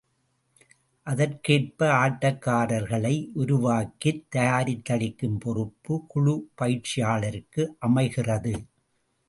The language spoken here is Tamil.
அதற்கேற்ப ஆட்டக்காரர்களை உருவாக்கித் தயாரித்தளிக்கும் பொறுப்பு குழு பயிற்சியாளருக்கு அமைகிறது.